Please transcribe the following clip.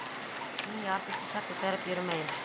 Мин ярты шешә күтәреп йөрөмәйем.